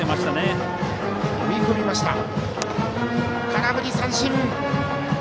空振り三振。